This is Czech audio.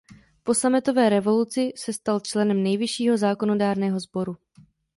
Po sametové revoluci se stal členem nejvyššího zákonodárného sboru.